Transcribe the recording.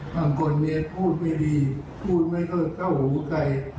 บางคนเมียพูดไม่ดีพูดไม่ค่อยเข้าหูใคร